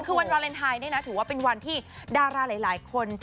คือวันวาเลนไทยเนี่ยนะถือว่าเป็นวันที่ดาราหลายคน